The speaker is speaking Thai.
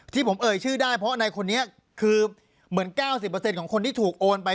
ที่ผมเอ่ยชื่อได้เพราะในคนนี้คือเหมือน๙๐ของคนที่ถูกโอนไป